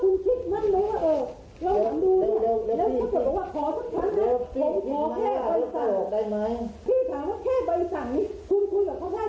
คุณคิดแต่ว่าอันนั้นอาจจะเป็นผู้ตอบกายไม่เป็นไรไม่เป็นไร